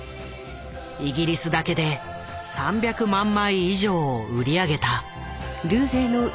イギリスだけで３００万枚以上を売り上げた。